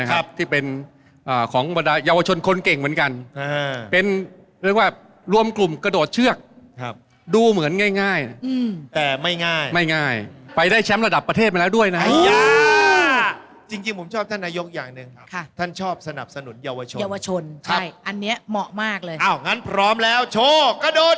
สวัสดีค่ะสวัสดีค่ะสวัสดีค่ะสวัสดีค่ะสวัสดีค่ะสวัสดีค่ะสวัสดีค่ะสวัสดีค่ะสวัสดีค่ะสวัสดีค่ะสวัสดีค่ะสวัสดีค่ะสวัสดีค่ะสวัสดีค่ะสวัสดีค่ะสวัสดีค่ะสวัสดีค่ะสวัสดีค่ะสวัสดีค่ะสวัสดีค่ะสวัสดีค่ะสวัสดีค่ะส